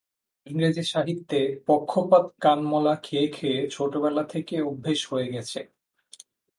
ইংরেজি সাহিত্যে পক্ষপাত কান-মলা খেয়ে খেয়ে ছেলেবেলা থেকে অভ্যেস হয়ে গেছে।